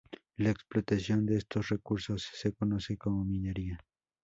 La explotación de estos recursos se conoce como minería.